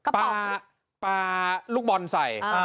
ปลาลูกบอลใส่